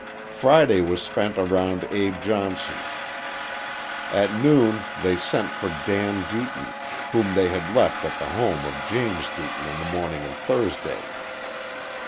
Friday was spent around Abe Johnson's. At noon they sent for Dan Deaton, whom they had left at the home of James Deaton on the morning of Thursday.